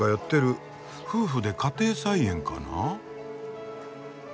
夫婦で家庭菜園かな？